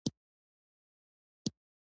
زه د سیل کولو شوق لرم.